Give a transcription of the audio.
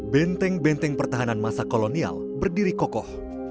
benteng benteng pertahanan masa kolonial berdiri kokoh